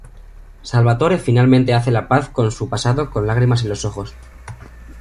Salvatore finalmente hace la paz con su pasado con lágrimas en los ojos.